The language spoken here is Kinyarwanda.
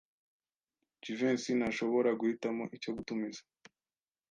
Jivency ntashobora guhitamo icyo gutumiza.